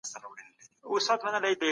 له ناروغۍ څخه خلاصون یوازې په مرګ کي دی.